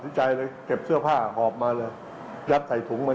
มีคนใจดีก็ตัดสินใจนั่งรถจากหมอชิตจะไปขอนแก่น